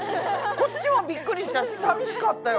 こっちもびっくりしちゃってさみしかったよ。